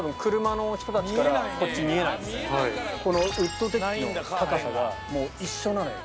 このウッドデッキの高さは一緒なのよ。